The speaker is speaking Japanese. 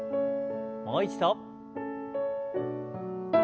もう一度。